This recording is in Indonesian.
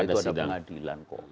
itu ada pengadilan